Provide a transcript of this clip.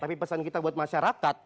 tapi pesan kita buat masyarakat